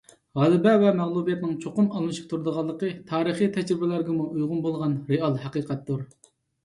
غەلىبە ۋە مەغلۇبىيەتنىڭ چوقۇم ئالمىشىپ تۇرىدىغانلىقى تارىخىي تەجرىبىلەرگىمۇ ئۇيغۇن بولغان رېئال ھەقىقەتتۇر.